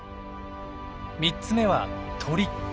３つ目は鳥。